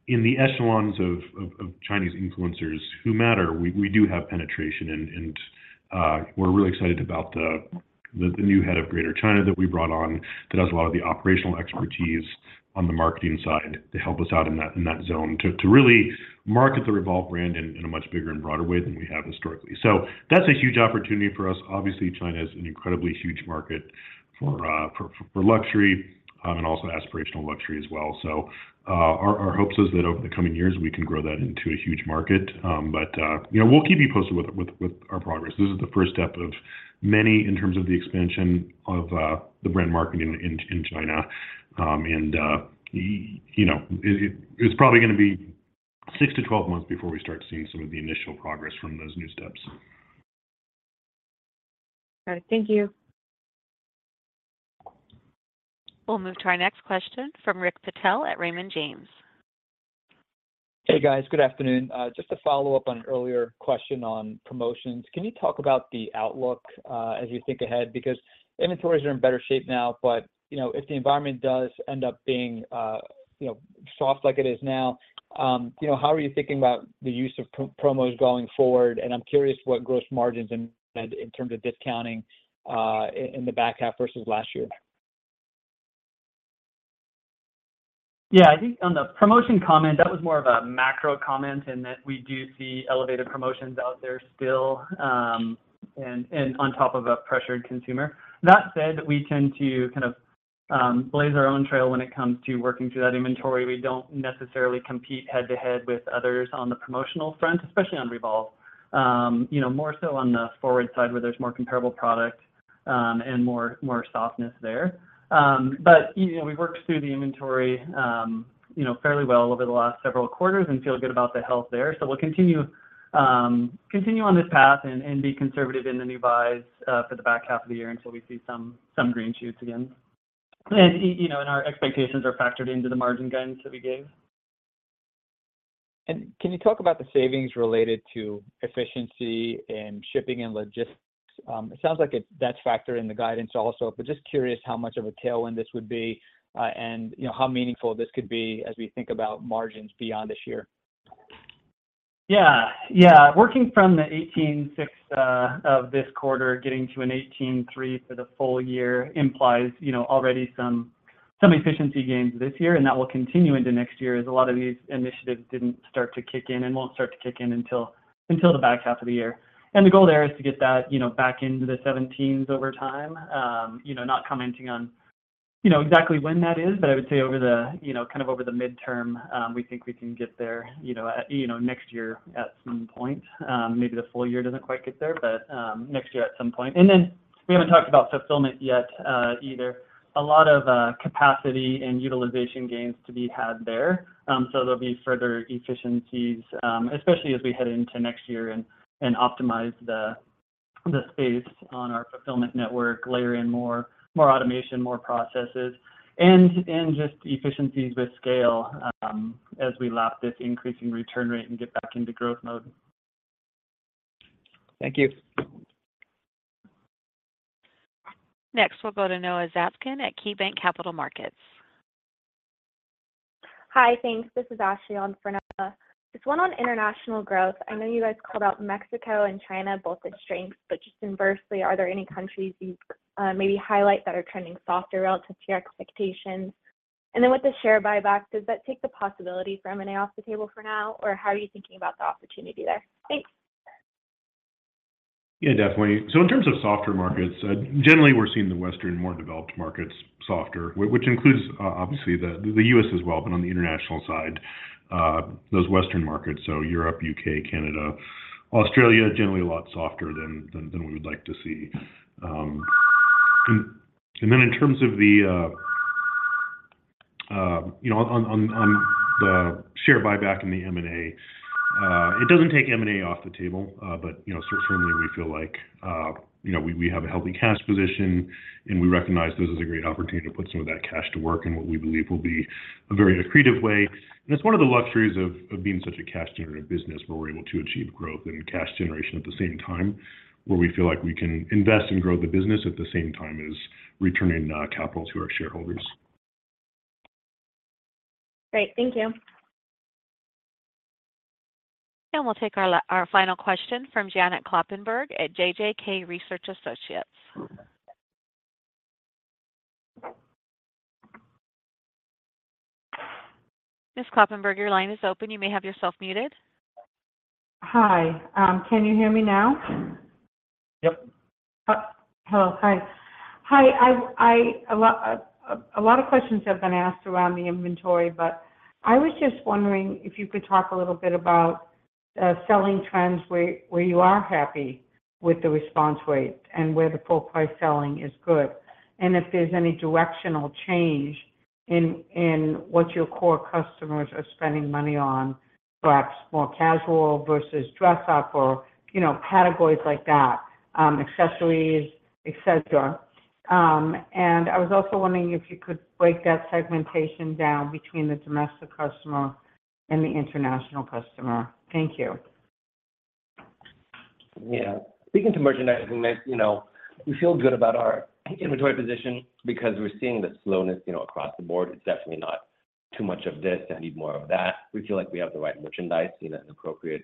in the echelons of Chinese influencers who matter, we do have penetration, and we're really excited about the new head of Greater China that we brought on, that has a lot of the operational expertise on the marketing side to help us out in that zone, to really market the REVOLVE brand in a much bigger and broader way than we have historically. That's a huge opportunity for us. Obviously, China is an incredibly huge market for luxury and also aspirational luxury as well. Our hopes is that over the coming years, we can grow that into a huge market. You know, we'll keep you posted with our progress. This is the first step of many in terms of the expansion of the brand marketing in China. You know, it's probably gonna be 6-12 months before we start seeing some of the initial progress from those new steps. All right. Thank you. We'll move to our next question from Rick Patel at Raymond James. Hey, guys. Good afternoon. Just to follow up on earlier question on promotions, can you talk about the outlook, as you think ahead? Because inventories are in better shape now, but, you know, if the environment does end up being, you know, soft like it is now, you know, how are you thinking about the use of promos going forward? I'm curious what gross margins in, in terms of discounting, in the back half versus last year? Yeah, I think on the promotion comment, that was more of a macro comment, in that we do see elevated promotions out there still, and, and on top of a pressured consumer. That said, we tend to kind of, blaze our own trail when it comes to working through that inventory. We don't necessarily compete head-to-head with others on the promotional front, especially on REVOLVE. you know, more so on the FWRD side, where there's more comparable product, and more, more softness there. you know, we worked through the inventory, you know, fairly well over the last several quarters and feel good about the health there. We'll continue, continue on this path and, and be conservative in the new buys for the back half of the year until we see some, some green shoots again. you know, and our expectations are factored into the margin guidance that we gave. Can you talk about the savings related to efficiency and shipping and logistics? It sounds like that's factored in the guidance also, but just curious how much of a tailwind this would be, and, you know, how meaningful this could be as we think about margins beyond this year? Yeah. Yeah, working from the 18.6 of this quarter, getting to an 18.3 for the full year implies, you know, already some, some efficiency gains this year, and that will continue into next year, as a lot of these initiatives didn't start to kick in and won't start to kick in until, until the back half of the year. The goal there is to get that, you know, back into the 17s over time. You know, not commenting on, you know, exactly when that is, but I would say over the, you know, kind of over the midterm, we think we can get there, you know, next year at some point. Maybe the full year doesn't quite get there, but next year at some point. Then we haven't talked about fulfillment yet, either. A lot of capacity and utilization gains to be had there. There'll be further efficiencies, especially as we head into next year and, and optimize the, the space on our fulfillment network, layer in more, more automation, more processes, and, and just efficiencies with scale, as we lap this increasing return rate and get back into growth mode. Thank you. We'll go to Noah Zatzkin at KeyBanc Capital Markets. Hi, thanks. This is Ashley on for Napa. Just one on international growth. I know you guys called out Mexico and China both as strengths, but just inversely, are there any countries you'd maybe highlight that are trending softer relative to your expectations? Then with the share buyback, does that take the possibility for M&A off the table for now, or how are you thinking about the opportunity there? Thanks. Yeah, definitely. In terms of softer markets, generally we're seeing the Western, more developed markets softer, which includes, obviously, the U.S. as well, but on the international side, those Western markets, so Europe, U.K., Canada, Australia, generally a lot softer than we would like to see. In terms of the, you know, the share buyback and the M&A, it doesn't take M&A off the table, but, you know, sort of firmly, we feel like, you know, we have a healthy cash position, and we recognize this is a great opportunity to put some of that cash to work in what we believe will be a very accretive way. It's one of the luxuries of, of being such a cash generative business, where we're able to achieve growth and cash generation at the same time, where we feel like we can invest and grow the business at the same time as returning, capital to our shareholders. Great. Thank you. We'll take our final question from Janet Kloppenburg at JJK Research Associates. Ms. Kloppenburg, your line is open. You may have yourself muted. Hi. Can you hear me now? Yep. Hello. Hi. Hi, I, I, a lot of questions have been asked around the inventory, but I was just wondering if you could talk a little bit about selling trends where, where you are happy with the response rate and where the full price selling is good. If there's any directional change in, in what your core customers are spending money on, perhaps more casual versus dress up or, you know, categories like that, accessories, etcetera. I was also wondering if you could break that segmentation down between the domestic customer and the international customer. Thank you. Yeah. Speaking to merchandising, that, you know, we feel good about our inventory position because we're seeing the slowness, you know, across the board. It's definitely not too much of this. I need more of that. We feel like we have the right merchandise, you know, in appropriate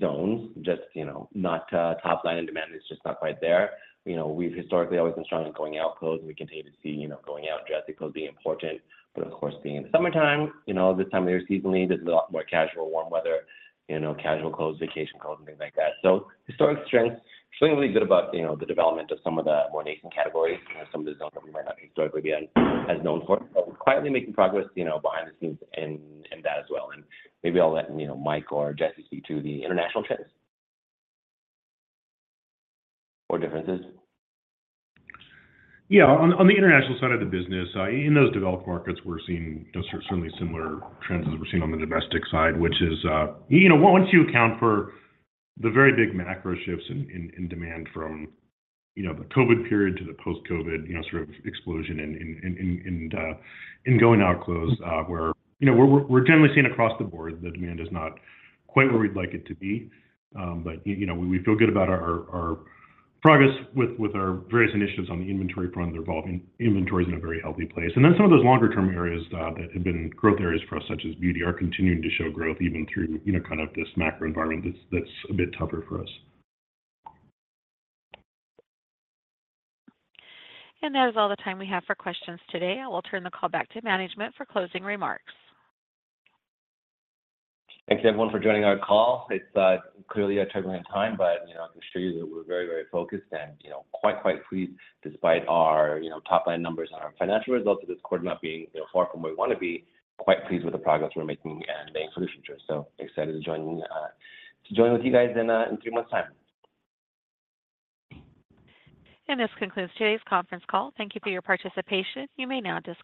zones. Just, you know, not top line and demand is just not quite there. You know, we've historically always been strong in going out clothes, and we continue to see, you know, going out dressy clothes being important. Of course, being in the summertime, you know, this time of year seasonally, there's a lot more casual, warm weather, you know, casual clothes, vacation clothes, and things like that. Historic strength, feeling really good about, you know, the development of some of the more nascent categories, you know, some of the zones that we might not historically be on, as known for. We're quietly making progress, you know, behind the scenes in, in that as well. Maybe I'll let, you know, Mike or Jesse speak to the international trends or differences. Yeah. On, on the international side of the business, in those developed markets, we're seeing, you know, certainly similar trends as we're seeing on the domestic side, which is, you know, once you account for the very big macro shifts in, in, in, in demand from, you know, the COVID period to the post-COVID, you know, sort of explosion in, in, in, in, in, in going out clothes, where, you know, we're, we're, we're generally seeing across the board, the demand is not quite where we'd like it to be. But, you, you know, we feel good about our, our progress with, with our various initiatives on the inventory front. They're evolving. Inventory is in a very healthy place. Then some of those longer term areas that have been growth areas for us, such as beauty, are continuing to show growth even through, you know, kind of this macro environment that's, that's a bit tougher for us. That is all the time we have for questions today. I will turn the call back to management for closing remarks. Thanks, everyone, for joining our call. It's clearly a turbulent time, but, you know, I can assure you that we're very, very focused and, you know, quite, quite pleased, despite our, you know, top line numbers and our financial results of this quarter not being, you know, far from where we want to be, quite pleased with the progress we're making and looking for the future. Excited to join to join with you guys in three months' time. This concludes today's conference call. Thank you for your participation. You may now disconnect.